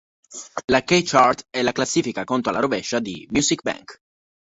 La K-Chart è la classifica a conto alla rovescia di "Music Bank".